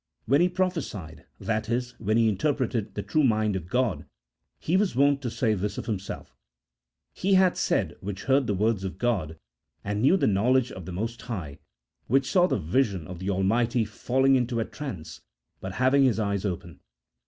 When he pro phesied, that is, when he interpreted the true mind of God, he was wont to say this of himself :" He hath said, which heard the words of God and knew the knowledge of the Most High, which saw the vision of the Almighty falling into a trance, but having his eyes open."